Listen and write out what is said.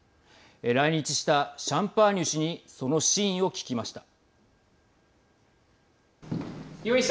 来日した、シャンパーニュ氏にその真意を聞きました。